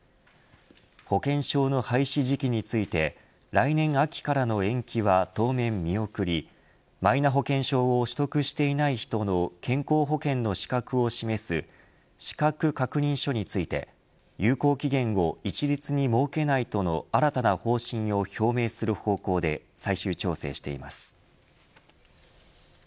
保険証の廃止時期について来年秋からの延期は当面見送りマイナ保険証を取得していない人の健康保険の資格を示す資格確認書について有効期限を一律に設けないとの新たな方針を表明する方向で最終調整しています。